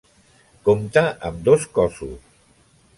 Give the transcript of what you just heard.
Compta amb dos cossos.